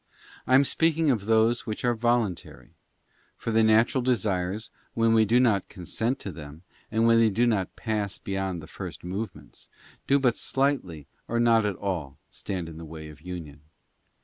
I am speaking of those which are voluntary: for the natural desires, when we do not consent to them, and when they do not pass beyond the first move ments, do but slightly or not at all stand in the way of union.